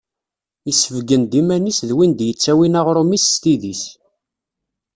Yessebgen-d iman-is d win d-yettawin aɣrum-is s tidi-s.